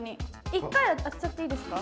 １回で当てちゃっていいですか？